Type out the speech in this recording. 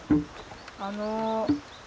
あの。